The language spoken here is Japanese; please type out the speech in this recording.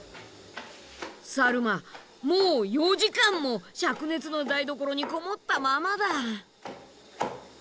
サルマもう４時間も灼熱の台所にこもったままだ。